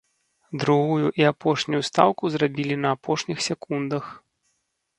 Другую і апошнюю стаўку зрабілі на апошніх секундах.